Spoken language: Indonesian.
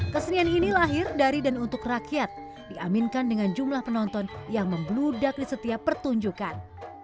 kesenian ini lahir dari dan untuk rakyat diaminkan dengan jumlah penonton yang membludak di setiap pertunjukan